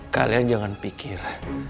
kalian jangan pikir